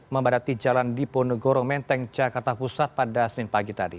membadati jalan diponegoro menteng jakarta pusat pada senin pagi tadi